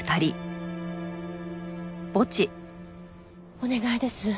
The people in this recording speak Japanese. お願いです。